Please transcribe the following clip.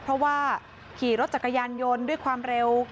เพราะว่าขี่รถจักรยานยนต์ด้วยความเร็ว